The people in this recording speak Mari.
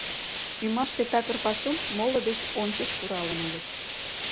Ӱмаште такыр пасум моло деч ончыч куралын улыт.